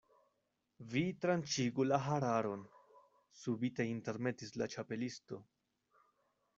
"Vi tranĉigu la hararon," subite intermetis la Ĉapelisto.